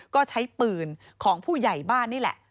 ก็ใช้ปืนของผู้ใหญ่บ้านนี่แหละ